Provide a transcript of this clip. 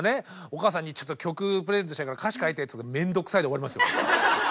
お母さんに「ちょっと曲プレゼントしたいから歌詞書いて」って言ったら「めんどくさい」で終わりますよ。